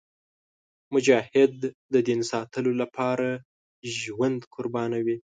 مجاهد د دین ساتلو لپاره ژوند قربانوي.